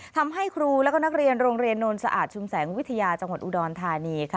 ทำให้ครูและนักเรียนโรงเรียนโนนสะอาดชุมแสงวิทยาจังหวัดอุดรธานี